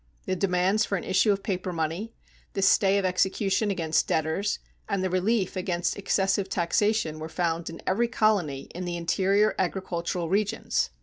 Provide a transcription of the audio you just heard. The demands for an issue of paper money, the stay of execution against debtors, and the relief against excessive taxation were found in every colony in the interior agricultural regions.